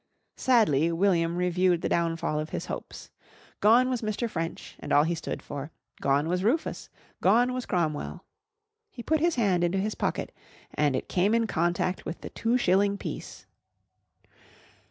Sadly William reviewed the downfall of his hopes. Gone was Mr. French and all he stood for. Gone was Rufus. Gone was Cromwell. He put his hand into his pocket and it came in contact with the two shilling piece.